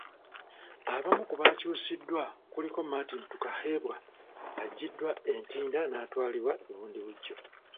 Abamu ku bakyusiddwa kuliko Martin Tukahebwa aggiddwa e Ntinda n'atwalibwa e Bundibuggyo.